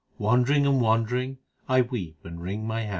Wandering and wandering I weep and wring my hands.